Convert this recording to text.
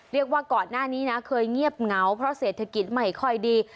เรียกว่าก่อนหน้านี้นะเคยเงียบเหงาเพราะเศรษฐกิจไม่ค่อยดี